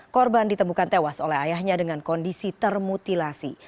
korban ditemukan tewas oleh ayahnya dengan kondisi termutilasi